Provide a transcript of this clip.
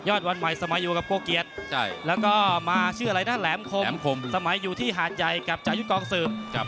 วันใหม่สมัยอยู่กับโกเกียจแล้วก็มาชื่ออะไรนะแหลมคมสมัยอยู่ที่หาดใหญ่กับจายุทธ์กองสืบ